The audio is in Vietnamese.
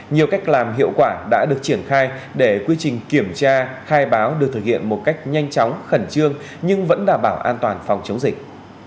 nhiều cách làm hiệu quả đã được triển khai để quy trình kiểm tra khai báo được thực hiện một cách nhanh chóng khẩn trương nhưng vẫn đảm bảo an toàn phòng chống dịch